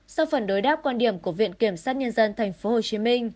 sau phần đối đáp quan điểm của viện kiểm sát nhân dân tp hcm